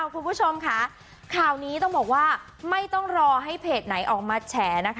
คุณผู้ชมค่ะข่าวนี้ต้องบอกว่าไม่ต้องรอให้เพจไหนออกมาแฉนะคะ